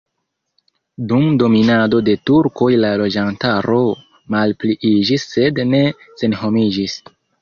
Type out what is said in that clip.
Dum dominado de turkoj la loĝantaro malpliiĝis sed ne senhomiĝis.